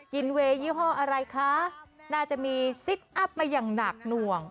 เวยยี่ห้ออะไรคะน่าจะมีซิกอัพมาอย่างหนักหน่วง